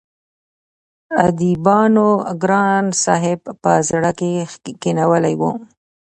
اديبانو ګران صاحب په زړه کښې کښينولی وو